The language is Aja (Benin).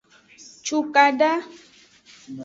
Cukada.